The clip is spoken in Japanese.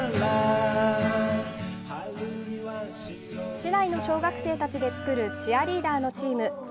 市内の小学生たちで作るチアリーダーのチーム。